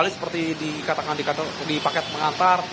seperti dikatakan di paket pengantar